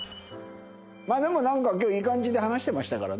まあでもなんか今日いい感じで話してましたからね。